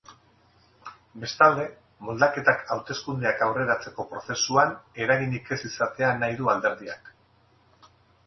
Bestalde, moldaketak hauteskundeak aurreratzeko prozesuan eraginik ez izatea nahi du alderdiak.